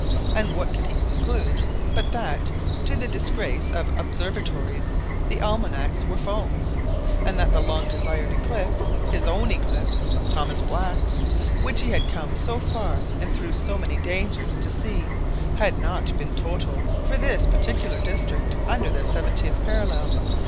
And what could he conclude but that, to the disgrace of observatories, the almanacs were false, and that the long desired eclipse, his own eclipse, Thomas Black's, which he had come so far and through so many dangers to see, had not been "total" for this particular district under the seventieth parallel!